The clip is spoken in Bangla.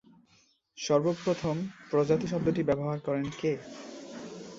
সর্বপ্রথম প্রজাতি শব্দটি ব্যবহার করেন কে?